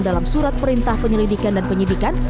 dalam surat perintah penyelidikan dan penyidikan